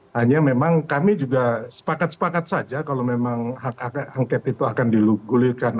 hanya memang kami juga sepakat sepakat saja kalau memang hak angket itu akan digulirkan